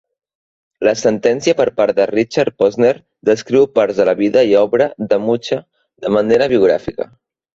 La sentència per part de Richard Posner descriu parts de la vida i obra de Mucha de manera biogràfica.